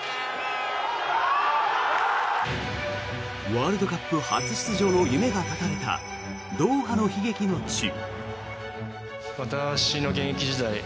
ワールドカップ初出場の夢が断たれたドーハの悲劇の地。